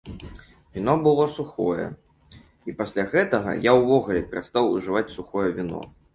Віно было сухое, і пасля гэтага я ўвогуле перастаў ужываць сухое віно.